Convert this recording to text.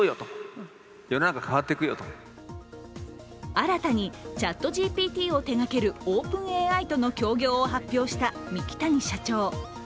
新たにＣｈａｔＧＰＴを手がけるＯｐｅｎＡＩとの協業を発表した三木谷社長。